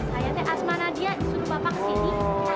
saya teh asma nadia disuruh bapak kesini